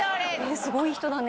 「すごいいい人だね」